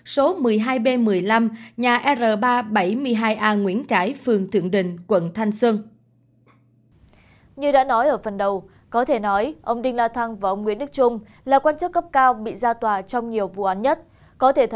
số hai b một mươi hai a nhà r ba trăm bảy mươi hai a nguyễn trãi phường thượng đình quận thanh sơn hà nội